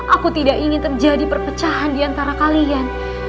aku tidak ingin terjadi perpecahan diantara kalian